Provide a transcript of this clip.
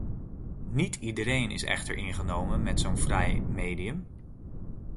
Niet iedereen is echter ingenomen met zo’n vrij medium.